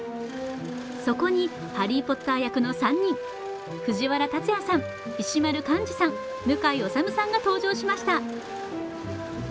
そこにハリー・ポッター役の３人、藤原竜也さん、石丸幹二さん、向井理さんが登場しました。